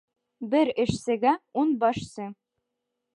Бер эшсегә ун башсы.